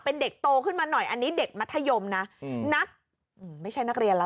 เป็นเด็กโตขึ้นมาหน่อยอันนี้เด็กมัธยมนะนักไม่ใช่นักเรียนแล้ว